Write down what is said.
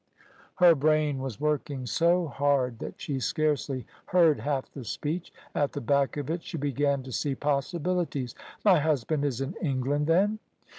Her brain was working so hard that she scarcely heard half the speech. At the back of it she began to see possibilities. "My husband is in England, then?"